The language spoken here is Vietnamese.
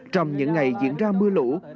trong những ngày diễn ra mưa lũ